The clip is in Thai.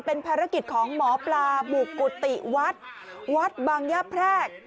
เป็นภารกิจของหมอปลาบุกกุฏิวัดวัดบางย่าแพรก